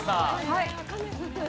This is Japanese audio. はい。